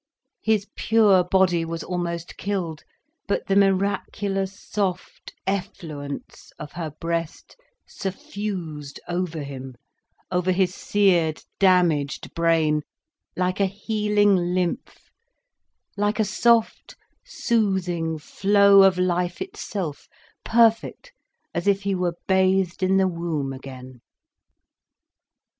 His pure body was almost killed. But the miraculous, soft effluence of her breast suffused over him, over his seared, damaged brain, like a healing lymph, like a soft, soothing flow of life itself, perfect as if he were bathed in the womb again.